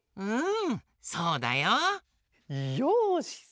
うんそうだよ。よし！